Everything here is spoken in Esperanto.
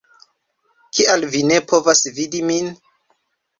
Kial vi ne povas vidi min?